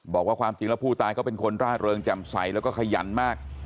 บอกว่าความจริงแล้วผู้ตายก็เป็นคนร่าเริงแจ่มใสแล้วก็ขยันมาก